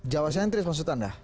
jawa centris maksud anda